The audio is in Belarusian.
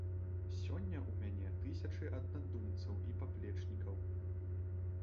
Сёння ў мяне тысячы аднадумцаў і паплечнікаў.